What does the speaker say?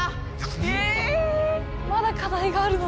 ええまだ課題があるの？